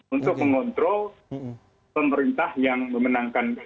untuk mengontrol pemerintah yang memenangkan